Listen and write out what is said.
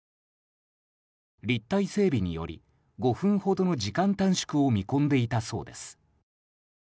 立体整備により５分ほどの時間短縮を見込んでいたそうです。